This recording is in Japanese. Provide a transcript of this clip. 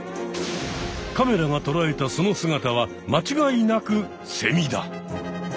カメラがとらえたその姿は間違いなくセミだ！